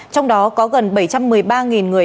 trong đó có gần bảy trăm một mươi ba người